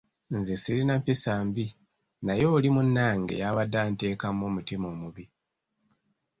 Nze sirina mpisa mbi naye oli munnange y'abadde anteekamu omutima omubi.